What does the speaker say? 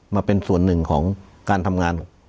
มาเป็นส่วนหนึ่งของการทำงาน